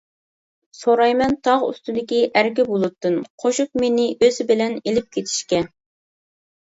سورايمەن تاغ ئۈستىدىكى ئەركە بۇلۇتتىن، قوشۇپ مېنى ئۆزى بىلەن ئېلىپ كېتىشكە.